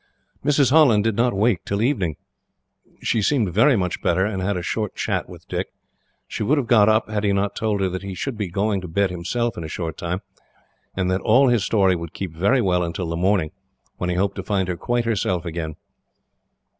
Mrs. Holland did not wake till evening. She seemed very much better, and had a short chat with Dick. She would have got up, had he not told her that he should be going to bed himself, in a short time, and that all his story would keep very well until the morning, when he hoped to find her quite herself again.